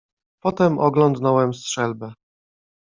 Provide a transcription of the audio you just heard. "Potem oglądnąłem strzelbę."